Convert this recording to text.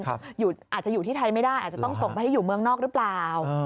อาจจะอยู่ที่ไทยไม่ได้อาจจะต้องส่งไปให้อยู่เมืองนอกหรือเปล่า